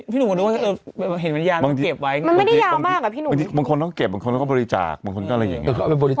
มันไม่ได้ยาวมากอะพี่หนูบางคนต้องเก็บบางคนต้องบริจาคบางคนต้องอะไรอย่างนี้